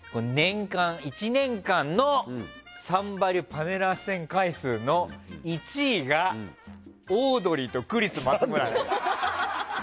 １年間の「サンバリュ」パネラー出演回数の１位がオードリーとクリス松村なんです。